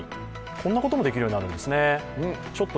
こんなこともできるようになるんですね。